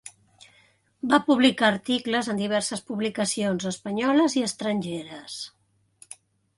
Va publicar articles en diverses publicacions espanyoles i estrangeres.